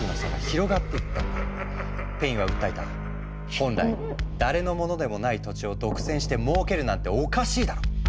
「本来誰のものでもない土地を独占して儲けるなんておかしいだろ！」。